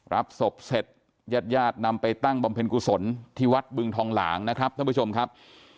รับศพเสร็จญาติญาตินำไปตั้งบำเพ็ญกุศลที่วัดบึงทองหลางนะครับท่านผู้ชมครับ